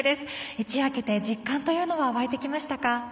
一夜明けて実感というのは湧いてきましたか？